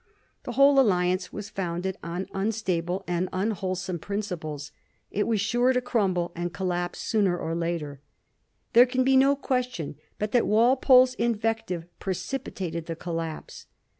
The whole alliance was founded on unstable and unwhole some principles; it was sure to crumble and collapse soon er or later. There can be no question but that Walpole's invective precipitated the collapse.